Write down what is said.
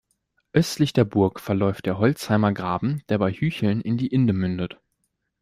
Östlich der Burg verläuft der Holzheimer Graben, der bei Hücheln in die Inde mündet.